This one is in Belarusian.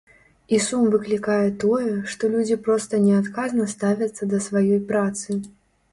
І сум выклікае тое, што людзі проста неадказна ставяцца да сваёй працы.